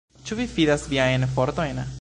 Ĉu vi fidas viajn fortojn?